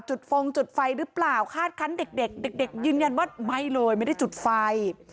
ฟงจุดไฟหรือเปล่าคาดคันเด็กเด็กยืนยันว่าไม่เลยไม่ได้จุดไฟ